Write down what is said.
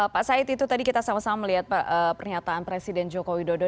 pak said itu tadi kita sama sama melihat pernyataan presiden joko widodo